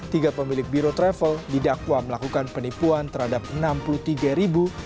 tiga pemilik biro travel didakwa melakukan penipuan terhadap enam puluh tiga ribu